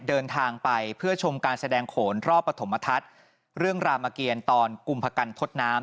เดินทางไปเพื่อชมการแสดงโขนรอบปฐมทัศน์เรื่องรามเกียรตอนกุมพกันทดน้ำ